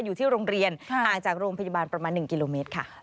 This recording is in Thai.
อยู่ที่โรงเรียนห่างจากโรงพยาบาลประมาณ๑กิโลเมตรค่ะ